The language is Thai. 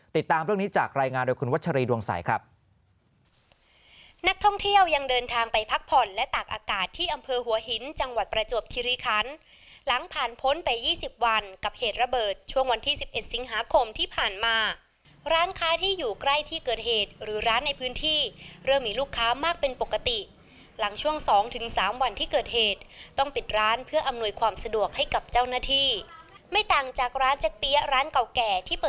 ติดตามเรื่องนี้จากรายงานโดยคุณวัชรีดวงใสครับ